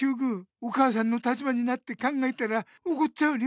お母さんの立場になって考えたらおこっちゃう理